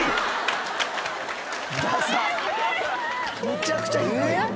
むちゃくちゃ低い。